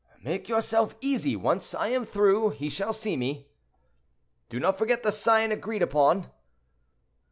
"Make yourself easy; once I am through, he shall see me." "Do not forget the sign agreed upon."